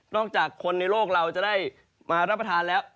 จากคนในโลกเราจะได้มารับประทานแล้ว